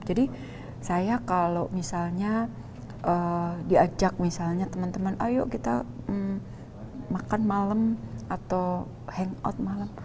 jadi saya kalau misalnya diajak teman teman ayo kita makan malam atau hangout malam